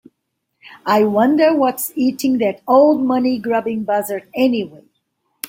I wonder what's eating that old money grubbing buzzard anyway?